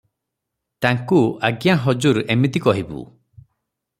ତାଙ୍କୁ, ଆଜ୍ଞା, ହଜୁର, ଏମିତି କହିବୁ ।